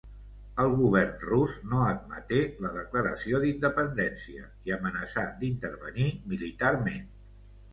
El govern rus no admeté la declaració d'independència i amenaçà d'intervenir militarment.